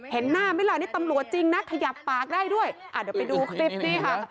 เห็นหน้าไหมล่ะนี่ตำรวจจริงนะขยับปากได้ด้วยเดี๋ยวไปดูคลิปนี้ค่ะ